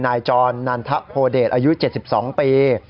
นายจรนันทะโพเดชอายุ๗๒ปี